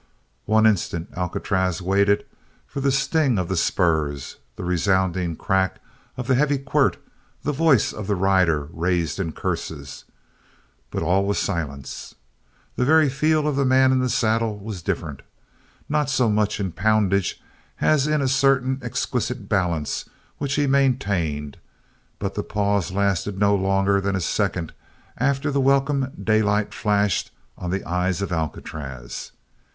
One instant Alcatraz waited for the sting of the spurs, the resounding crack of the heavy quirt, the voice of the rider raised in curses; but all was silence. The very feel of the man in the saddle was different, not so much in poundage as in a certain exquisite balance which he maintained but the pause lasted no longer than a second after the welcome daylight flashed on the eyes of Alcatraz.